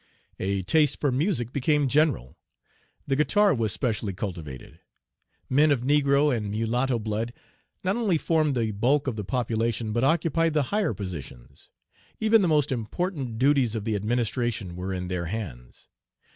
A taste for music became general; the guitar was specially cultivated. Men of negro and mulatto blood not only formed the bulk of the population, but occupied the higher positions. Even the most important duties of the administration were in their hands.